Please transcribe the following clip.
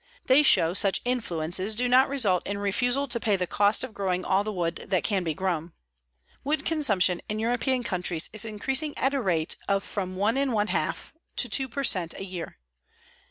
They show such influences do not result in refusal to pay the cost of growing all the wood that can be grown. Wood consumption in European countries is increasing at a rate of from 1 1/2 to 2 per cent a year.